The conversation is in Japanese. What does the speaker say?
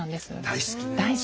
大好き。